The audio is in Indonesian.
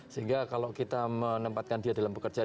sehingga kalau kita menempatkan dia dalam bekerja